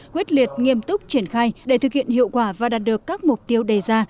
quyết liệt nghiêm túc triển khai để thực hiện hiệu quả và đạt được các mục tiêu đề ra